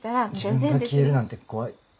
自分が消えるなんて怖い。